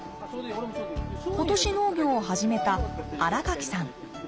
今年農業を始めた新垣さん。